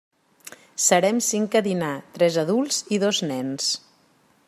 Serem cinc a dinar, tres adults i dos nens.